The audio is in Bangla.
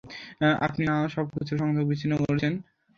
আপনি না সবকিছুর সংযোগ বিচ্ছিন্ন করেছেন?